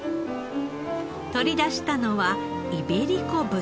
取り出したのはイベリコ豚。